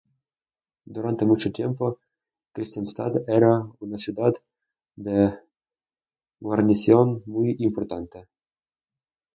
Durante mucho tiempo Kristianstad era una ciudad de guarnición muy importante.